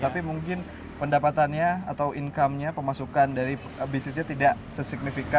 tapi mungkin pendapatannya atau income nya pemasukan dari bisnisnya tidak sesignifikan